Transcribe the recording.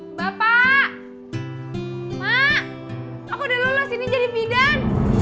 mak bapak mak aku udah lulus ini jadi bidan